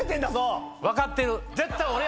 分かってる。